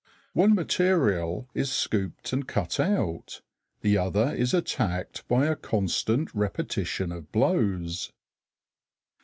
One material is scooped and cut out, the other is attacked by a constant repetition of blows.